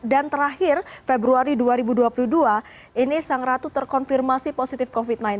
dan terakhir februari dua ribu dua puluh dua ini sang ratu terkonfirmasi positif covid sembilan belas